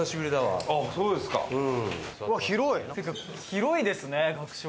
広いですね学食。